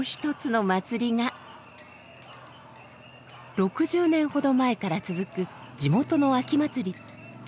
６０年ほど前から続く地元の秋祭り。